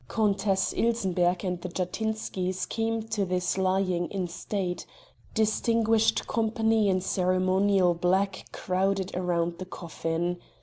Countess Ilsenbergh and the Jatinskys came to this lying in state; distinguished company, in ceremonial black, crowded round the coffin.